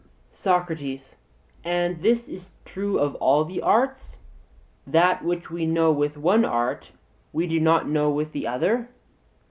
SOCRATES: And this is true of all the arts; that which we know with one art we do not know with the other?